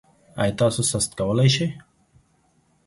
ایا تاسو سست کولی شئ؟